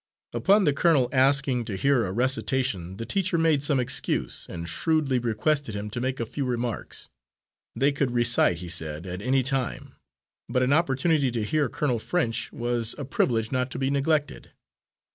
Upon the colonel asking to hear a recitation, the teacher made some excuse and shrewdly requested him to make a few remarks. They could recite, he said, at any time, but an opportunity to hear Colonel French was a privilege not to be neglected.